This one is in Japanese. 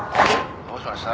どうしました？